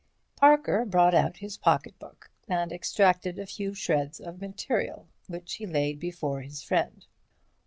Parker brought out his pocketbook and extracted a few shreds of material, which he laid before his friend.